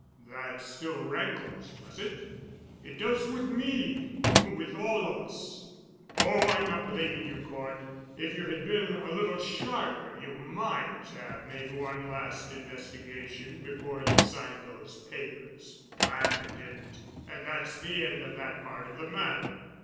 That still rankles, does it? It does with me—with all of us. Oh, I'm not blaming you, Cort. If you had been a little sharper you might have made one last investigation before you signed those papers. But you didn't, and that's the end of that part of the matter.